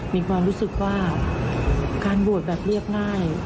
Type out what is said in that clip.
มีความรู้สึกว่าการบวชแบบเรียบง่าย